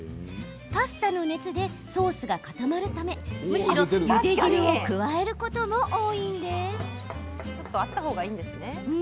パスタの熱でソースが固まるためむしろ、ゆで汁を加えることも多いんです。